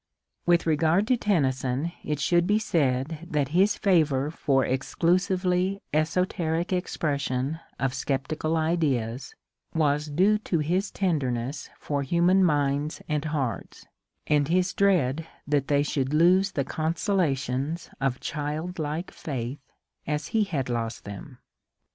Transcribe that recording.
With regard to Tennyson it should be said that his favour for exclusively esoteric expression of sceptical ideas was due to his tenderness for human minds and hearts, and his dread that they should lose the consola tions of childlike faith as he had lost them.